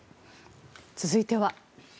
続いては。